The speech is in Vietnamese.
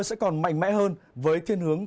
sẽ còn mạnh mẽ hơn với thiên hướng